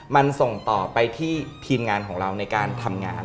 มันส่งต่อไปที่ทีมงานของเราในการทำงาน